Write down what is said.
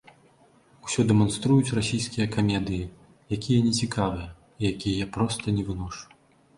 Усё дэманструюць расійскія камедыі, якія не цікавыя, і якія я проста не выношу.